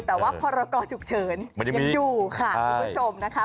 แต่ว่าพรกรฉุกเฉินยังอยู่ค่ะคุณผู้ชมนะคะ